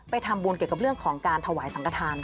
ไปทำบูรณ์เกี่ยวกับเรื่องย์ของการทวายสังฆานค่ะ